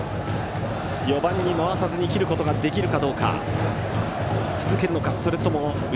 ４番に回さずに切ることができるか。